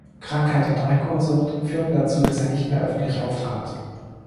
Krankheit und Alkoholsucht führten dazu, dass er nicht mehr öffentlich auftrat.